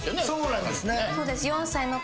そうです。